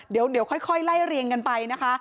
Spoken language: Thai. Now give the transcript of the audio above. เดี๋ยวค่อยไล่เรียงกันไปนะคะ